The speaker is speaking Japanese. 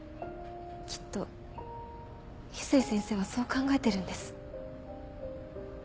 きっと翡翠先生はそう考えてるんです。